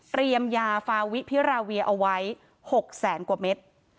เตรียมยาฟาวิธีธิราเวียเอาไว้๖แสนกว่าเม็ด